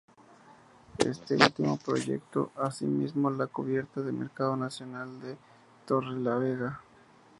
Este último proyectó así mismo la cubierta del Mercado Nacional de Torrelavega.